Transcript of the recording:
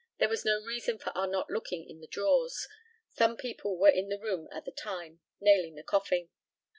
There was no reason for our not looking in the drawers. Some people were in the room at the time nailing the coffin.